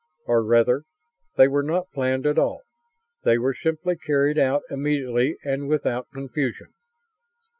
Or, rather, they were not planned at all. They were simply carried out, immediately and without confusion.